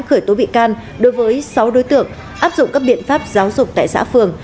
khởi tố bị can đối với sáu đối tượng áp dụng các biện pháp giáo dục tại xã phường